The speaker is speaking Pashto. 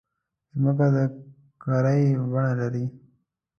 مځکه د کُرې بڼه لري.